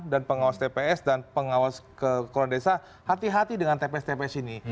dan pengawas tps dan pengawas krono desa hati hati dengan tps tps ini